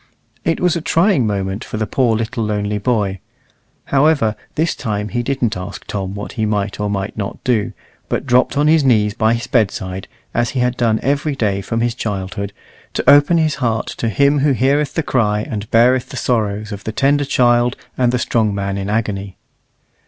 It was a trying moment for the poor little lonely boy; however, this time he didn't ask Tom what he might or might not do, but dropped on his knees by his bedside, as he had done every day from his childhood, to open his heart to Him who heareth the cry and beareth the sorrows of the tender child, and the strong man in agony.